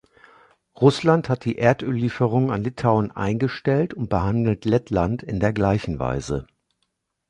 Russland hat die Erdöllieferungen an Litauen eingestellt und behandelt Lettland in der gleichen Weise.